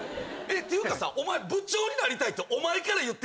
っていうかさ部長になりたいってお前から言ってきたやん。